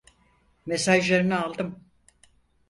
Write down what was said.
Mesajlarını aldım.